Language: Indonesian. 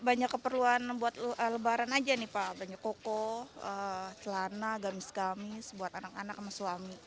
banyak keperluan buat lebaran aja nih pak banyak koko celana gamis gamis buat anak anak sama suami